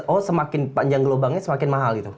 oh semakin panjang gelombangnya semakin mahal gitu